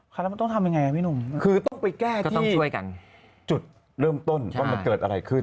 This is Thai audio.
คือต้องไปแก้ที่จุดเริ่มต้นว่ามันเกิดอะไรขึ้น